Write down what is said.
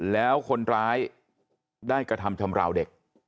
แล้วคนร้ายได้กระทำชำราวเด็ก